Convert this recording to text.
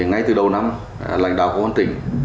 ngay từ đầu năm lãnh đạo của quán tỉnh